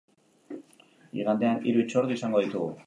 Igandean hiru hitzordu izango ditugu.